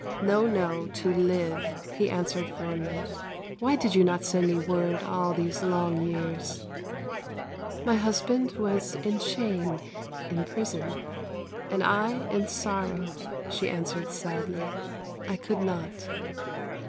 " No, no, to live," he answered firmly. " Why did you not send me word all these long years ?"" My husband was in shame, in prison, and I in sorrow," she answered sadly. " I could not."